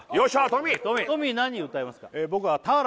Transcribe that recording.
トミートミー何歌いますか？